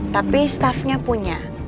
tapi staffnya punya